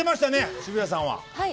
渋谷さんは。